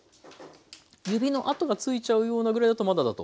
指の跡がついちゃうようなぐらいだとまだだと。